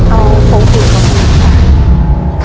เอาพงศิษย์คัมภีร์ค่ะ